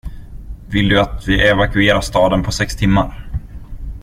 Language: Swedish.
Vill du att vi evakuerar staden på sex timmar?